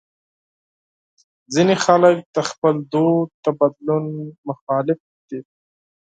ځینې خلک د خپل دود د بدلون مخالف دي.